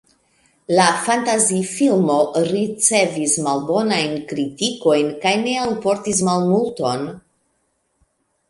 La fantazi-filmo ricevis malbonajn kritikojn kaj ne alportis malmulton.